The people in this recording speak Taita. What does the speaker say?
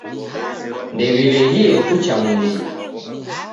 Ndew'ileghie kucha modenyi